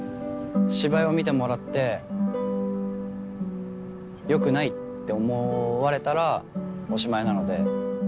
芝居を見てもらってよくないって思われたらおしまいなので。